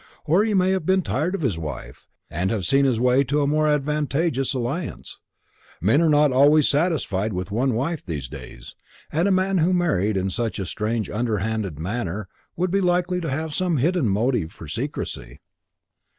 Or he may have been tired of his wife, and have seen his way to a more advantageous alliance. Men are not always satisfied with one wife in these days, and a man who married in such a strange underhand manner would be likely to have some hidden motive for secrecy."